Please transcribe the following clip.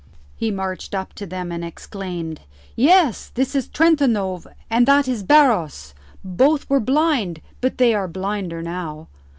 He marched up to them, and exclaimed, "Yes, this is Trentanove and that is Barros. Both were blind, but they are blinder now.